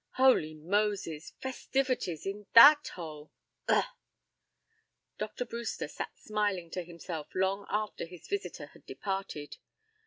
Holy Moses! Festivities in that hole! Ugh!" Dr. Brewster sat smiling to himself long after his visitor had departed.